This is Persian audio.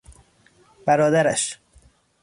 برادرش